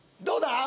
どうだ？